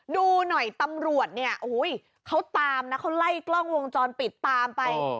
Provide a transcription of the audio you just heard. ดูหน่อยตำรวจเนี่ยโอ้โหเขาตามนะเขาไล่กล้องวงจรปิดตามไป